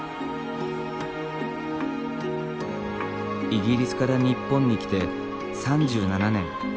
イギリスから日本に来て３７年。